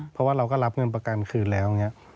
เพราะว่าเราก็รับเงินประกันคืนแล้ว